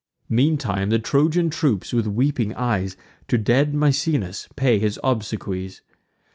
Meantime the Trojan troops, with weeping eyes, To dead Misenus pay his obsequies.